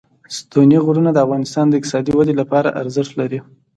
ستوني غرونه د افغانستان د اقتصادي ودې لپاره ارزښت لري.